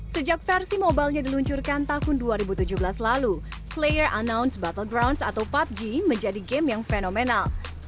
sejak versi mobile nya diluncurkan tahun dua ribu tujuh belas lalu player announce battlegrounds atau pubg menjadi game yang fenomenal